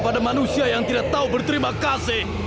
pada manusia yang tidak tahu berterima kasih